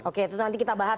oke itu nanti kita bahas